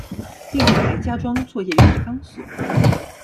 另外还有加装作业用的钢索。